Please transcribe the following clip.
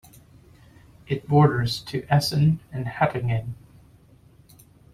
It borders to Essen and Hattingen.